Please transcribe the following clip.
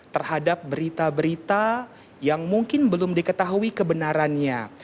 terhadap berita berita yang mungkin belum diketahui kebenarannya